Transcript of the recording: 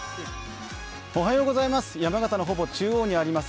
山形のほぼ中央にあります